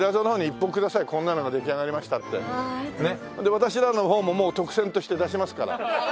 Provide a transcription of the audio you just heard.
私らの方ももう特選として出しますから。